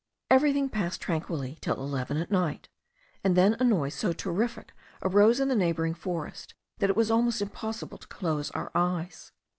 Everything passed tranquilly till eleven at night; and then a noise so terrific arose in the neighbouring forest, that it was almost impossible to close our eyes.